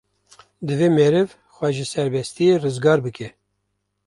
Divê meriv xwe ji serbestiyê rizgar bike.